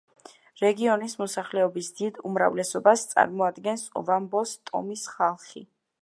რეგიონის მოსახლეობის დიდ უმრავლესობას წარმოადგენს ოვამბოს ტომის ხალხი.